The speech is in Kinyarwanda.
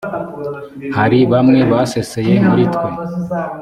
hari bamwe baseseye muri twe